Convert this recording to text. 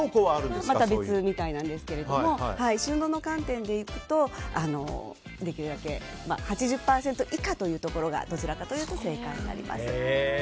また別みたいなんですが収納の観点でいくとできるだけ８０％以下がどちらかというと正解になります。